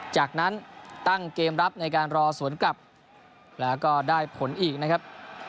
จากนั้นตั้งเกมรับในการรอสวนกลับแล้วก็ได้ผลอีกนะครับ